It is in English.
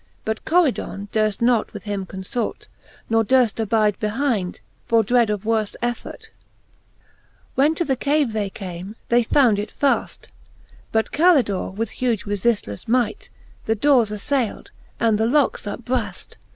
But Coridon durft not with him confort, Ne durft abide behind, for dread of worfe effort, XLIII. When to the cave they came, they found it faft : But Calidore, with huge refiftlefle might. The dores aflayled, and the locks upbraft.